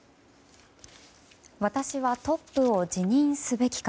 私はトップを辞任すべきか。